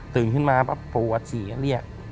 ตื่นขึ้นมาปวดฉี่เรียก